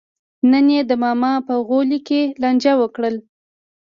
نن یې د ماما په غولي کې لانجه وکړه.